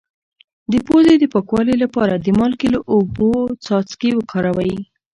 د پوزې د پاکوالي لپاره د مالګې او اوبو څاڅکي وکاروئ